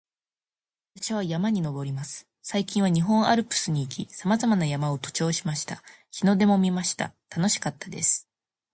私は山に登ります。最近は日本アルプスに行き、さまざまな山を登頂しました。日の出も見ました。楽しかったです